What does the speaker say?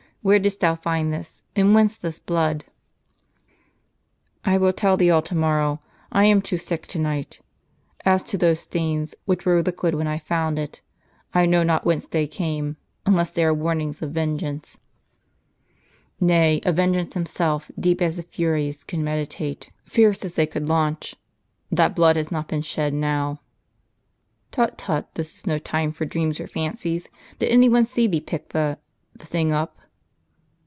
Where didst thou find this ? And whence this blood ?"" I will tell thee all to morrow ; I am too sick to night. As to those stains, which were liquid when I found it, I know not whence they came, unless they are warnings of venge ance— nay, a vengeance themselves, deep as the Furies could meditate, fierce as they could launch. That blood has not been shed now.''^ "Tut, tut! this is no time for dreams or fancies. Did any one see thee pick the — the thing up?